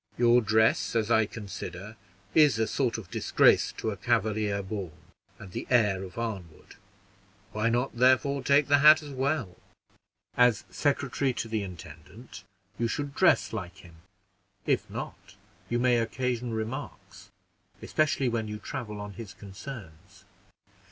"Your dress, as I consider, is a sort of disgrace to a Cavalier born, and the heir of Arnwood; why not, therefore, take its hat as well? As secretary to the intendant, you should dress like him; if not, you may occasion remarks, especially when you travel on his concerns."